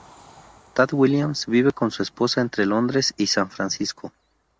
Tad Williams vive con su esposa entre Londres y San Francisco.